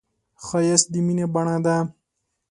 ښایست د مینې بڼه ده